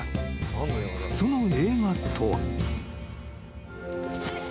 ［その映画とは］